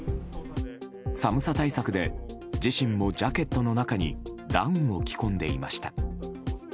寒さ対策で自身もジャケットの中にダウンを着込んでいました。